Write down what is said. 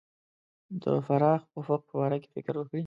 د پراخ افق په باره کې فکر وکړي.